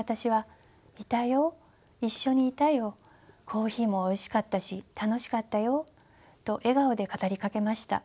コーヒーもおいしかったし楽しかったよ」と笑顔で語りかけました。